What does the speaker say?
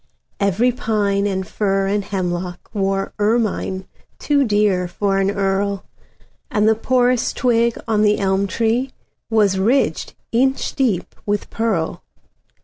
Every pine and fir and hemlockWore ermine too dear for an earl, And the poorest twig on the elm treeWas ridged inch deep with pearl.